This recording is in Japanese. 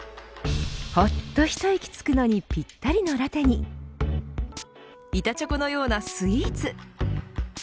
ほっと一息つくのにぴったりのラテに板チョコのようなスイーツ。